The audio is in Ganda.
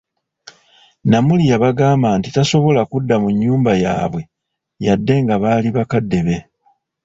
Namuli yabagamba nti tasobola kudda mu nnyumba y'abwe yadde nga baali bakadde be.